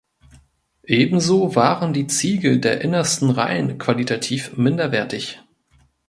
Ebenso waren die Ziegel der innersten Reihen qualitativ minderwertig.